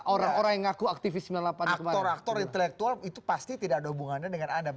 orang orang yang ngaku aktivisme lapang akter akter intelektual itu pasti tidak ada hubungannya dengan